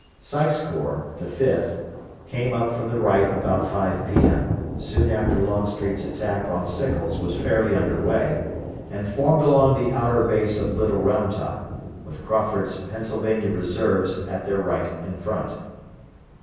Sykes' corps the Fifth came up from the right about 5 P.M., soon after Longstreet's attack on Sickles was fairly under way, and formed along the outer base of Little Round Top, with Crawford's Pennsylvania Reserves at their right and front.